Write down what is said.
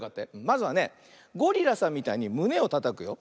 まずはねゴリラさんみたいにむねをたたくよ。